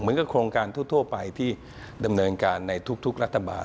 โครงการทั่วไปที่ดำเนินการในทุกรัฐบาล